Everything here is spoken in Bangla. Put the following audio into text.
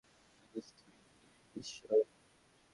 আমার স্ত্রী ঈশ্বরী।